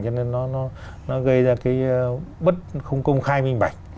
cho nên nó gây ra cái bất không công khai minh bạch